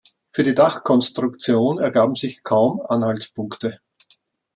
Für die Dachkonstruktion ergaben sich kaum Anhaltspunkte.